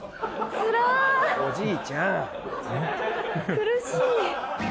苦しい！